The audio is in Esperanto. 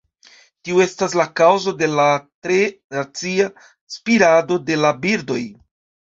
Tio estas la kaŭzo de la tre racia spirado de la birdoj.